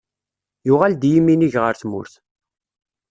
Yuɣal-d yiminig ɣer tmurt.